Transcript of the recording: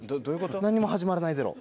何も始まらないゼロ。